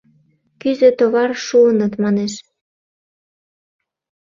Кӱзӧ-товар шуыныт, манеш.